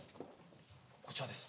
こちらです。